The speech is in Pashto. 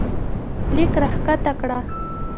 لیک راښکته کړه